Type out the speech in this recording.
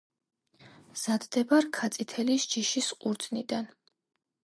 მზადდება რქაწითელის ჯიშის ყურძნიდან.